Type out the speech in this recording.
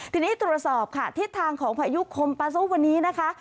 ทีนี้ตรวจสอบค่ะทิศทางของพายุคมปาโซวันนี้นะคะ